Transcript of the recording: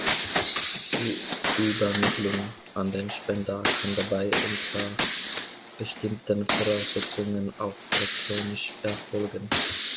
Die Übermittlung an den Spender kann dabei unter bestimmten Voraussetzungen auch elektronisch erfolgen.